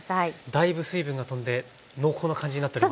だいぶ水分が飛んで濃厚な感じになっております。